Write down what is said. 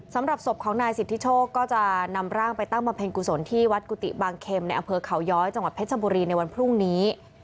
สำหรับศพของนายสิทธิโชคก็จะนำร่างไปตั้งบำเพ็ญกุศลที่วัดกุฏิบางเข็มในอำเภอเขาย้อยจังหวัดเพชรบุรีในวันพรุ่งนี้